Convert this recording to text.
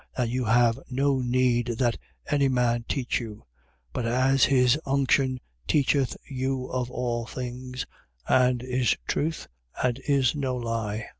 And you have no need that any man teach you: but as his unction teacheth you of all things and is truth and is no lie.